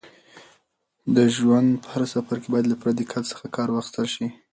د ژوند په هر سفر کې باید له پوره دقت څخه کار واخیستل شي.